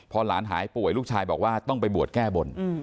พอหลานหายป่วยลูกชายบอกว่าต้องไปบวชแก้บน